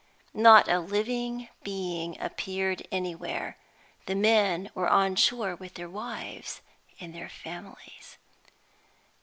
Not a living being appeared anywhere. The men were on shore with their wives and their families.